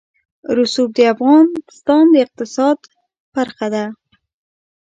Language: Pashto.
رسوب د افغانستان د اقتصاد برخه ده.